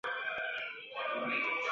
现行党章中并没有提到民主集权制。